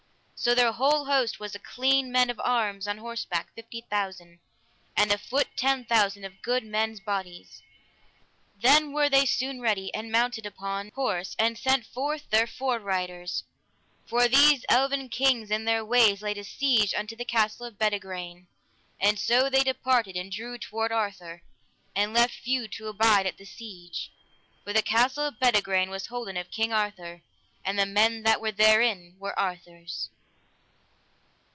So their whole host was of clean men of arms on horseback fifty thousand, and a foot ten thousand of good men's bodies. Then were they soon ready, and mounted upon horse and sent forth their fore riders, for these eleven kings in their ways laid a siege unto the castle of Bedegraine; and so they departed and drew toward Arthur, and left few to abide at the siege, for the castle of Bedegraine was holden of King Arthur, and the men that were therein were Arthur's.